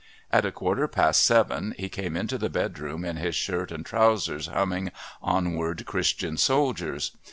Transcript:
At a quarter past seven he came into the bedroom in his shirt and trousers, humming "Onward, Christian Soldiers."